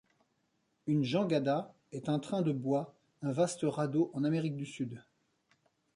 Une jangada est un train de bois, un vaste radeau en Amérique du Sud.